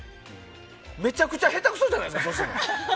めちゃくちゃ下手くそじゃないですか、じゃあ。